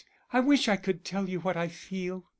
I wish I could tell you what I feel."